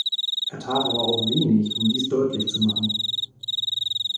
Er tat aber auch wenig, um dies deutlich zu machen.